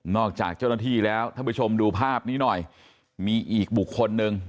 จากเจ้าหน้าที่แล้วท่านผู้ชมดูภาพนี้หน่อยมีอีกบุคคลหนึ่ง